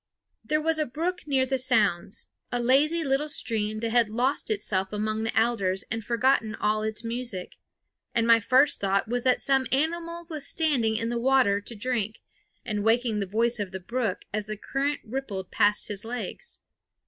There was a brook near the sounds, a lazy little stream that had lost itself among the alders and forgotten all its music; and my first thought was that some animal was standing in the water to drink, and waking the voice of the brook as the current rippled past his legs.